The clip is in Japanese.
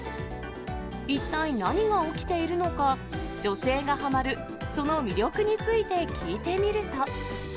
一体、何が起きているのか、女性がハマるその魅力について聞いてみると。